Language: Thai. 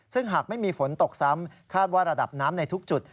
ซึ่งหากไม่มีฝนตกซ้ำคาดว่าระดับน้ำในทุกจุด